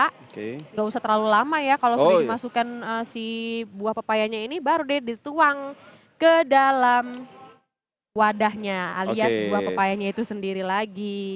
tidak usah terlalu lama ya kalau sudah dimasukkan si buah pepayanya ini baru deh dituang ke dalam wadahnya alias buah pepayanya itu sendiri lagi